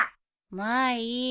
まあいいや。